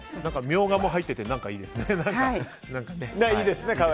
ミョウガも入っていて何か、いいですね。